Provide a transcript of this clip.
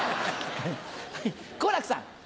好楽さん。